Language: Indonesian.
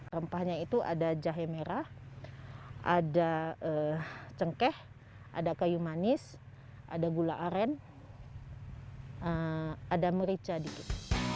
rempahnya itu ada jahe merah ada cengkeh ada kayu manis ada gula aren ada merica dikit